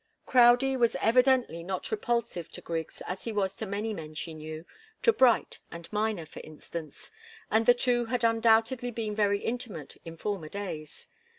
Crowdie was evidently not repulsive to Griggs as he was to many men she knew to Bright and Miner, for instance and the two had undoubtedly been very intimate in former days.